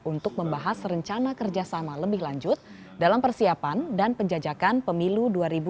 untuk membahas rencana kerjasama lebih lanjut dalam persiapan dan penjajakan pemilu dua ribu dua puluh